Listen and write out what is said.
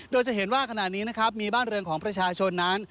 โดยจะเห็นว่าขณะนี้นะครับมีบ้านเรืองของประชาชนนั้น